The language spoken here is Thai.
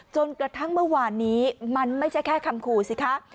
จนกระทั่งเมื่อวานนี้มันไม่ใช่แค่คำขู่สิคะ